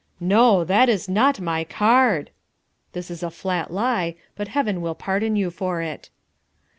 "NO. THAT IS NOT MY CARD." (This is a flat lie, but Heaven will pardon you for it.)